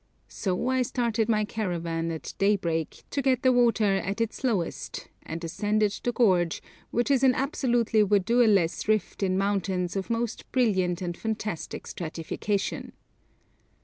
So I started my caravan at daybreak, to get the water at its lowest, and ascended the gorge, which is an absolutely verdureless rift in mountains of most brilliant and fantastic stratification.